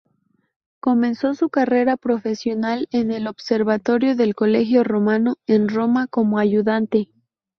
Comenzó su carrera profesional en el observatorio del Colegio Romano en Roma como ayudante.